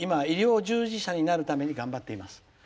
今、医療従事者になるために頑張っています」。